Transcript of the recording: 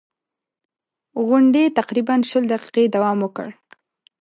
غونډې تقریباً شل دقیقې دوام وکړ.